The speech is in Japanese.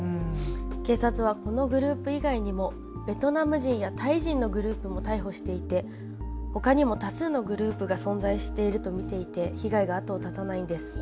警察はこのグループ以外にもベトナム人やタイ人のグループも逮捕していてほかにも多数のグループが存在していると見ていて被害が後を絶たないんです。